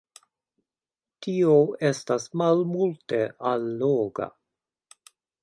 Tio estas malmulte alloga.